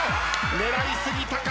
狙いすぎたか。